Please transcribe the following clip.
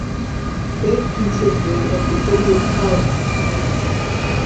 It consisted of the city of Ottawa.